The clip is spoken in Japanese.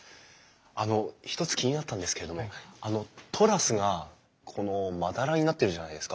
あの一つ気になったんですけれどもあのトラスがこのまだらになってるじゃないですか。